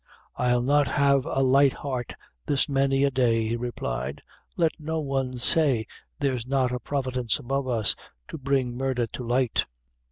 "I'll not have a light heart this many a day," he replied; "let no one say there's not a Providence above us to bring murdher to light."